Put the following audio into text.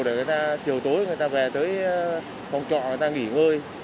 để người ta chiều tối người ta về tới phòng trọ người ta nghỉ ngơi